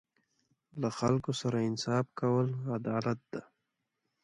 له خلکو سره انصاف کول عدالت دی.